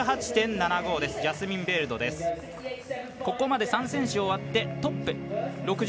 ここまで３選手終わってトップ。